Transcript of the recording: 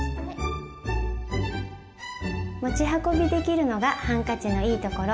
持ち運びできるのがハンカチのいいところ。